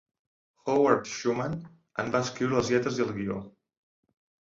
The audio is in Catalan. Howard Schuman en va escriure les lletres i el guió.